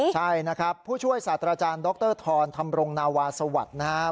ใช่นะครับผู้ช่วยศาสตราจารย์ดรธรธรรมรงนาวาสวัสดิ์นะครับ